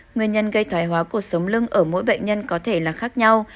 nguyên nhân gây thoài hóa cột sống lưng ở mỗi bệnh nhân có thể là khác nhau